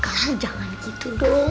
kalian jangan gitu dong